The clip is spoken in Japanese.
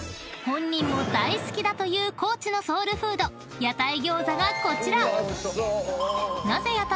［本人も大好きだという高知のソウルフード屋台餃子がこちら］